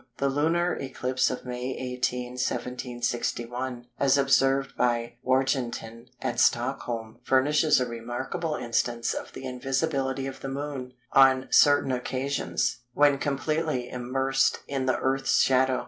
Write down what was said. The lunar eclipse of May 18, 1761, as observed by Wargentin, at Stockholm, furnishes a remarkable instance of the invisibility of the Moon on certain occasions, when completely immersed in the earth's shadow.